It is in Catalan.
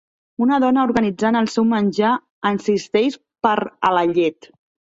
Una dona organitzant el seu menjar en cistells per a la llet.